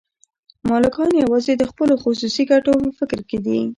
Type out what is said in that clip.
مالکان یوازې د خپلو خصوصي ګټو په فکر کې دي